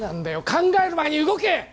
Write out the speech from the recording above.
考える前に動け！